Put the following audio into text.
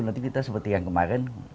nanti kita seperti yang kemarin